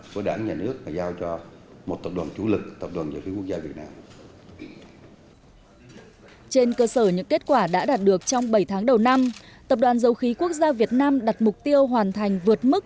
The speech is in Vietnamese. hiện tiến độ thực hiện các dự án trọng điểm của tập đoàn dầu khí quốc gia việt nam phát triển bền vững